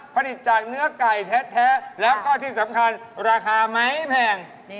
ผลิตจากเนื้อไก่แท้แล้วก็ที่สำคัญราคาไม่แพง